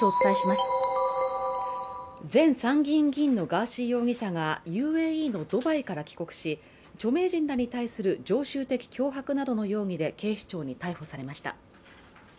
前参議院議員のガーシー容疑者がＵＡＥのドバイから帰国し、著名人らに対する常習的脅迫などの容疑で警視庁に逮捕されました。